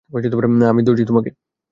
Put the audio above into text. আমি ধরছি তোমাকে।